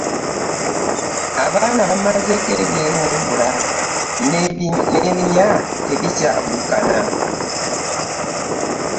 Abaana bamazzeeko ebyewungula n'ebyenya tebikyabukana .